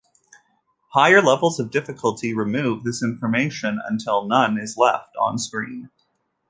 Higher levels of difficulty remove this information until none is left on screen.